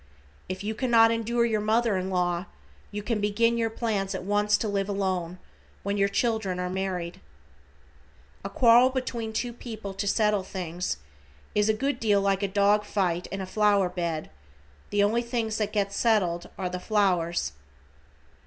If you cannot endure your mother in law, you can begin your plans at once to live alone, when your children are married. A quarrel between two people to settle things, is a good deal like a dog fight in a flower bed, the only things that get settled are the flowers.